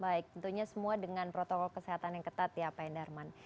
baik tentunya semua dengan protokol kesehatan yang ketat ya pak endarman